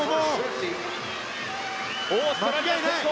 オーストラリア、先頭。